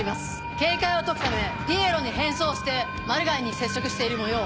警戒を解くためピエロに変装してマルガイに接触しているもよう。